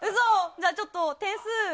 じゃあ、ちょっと点数。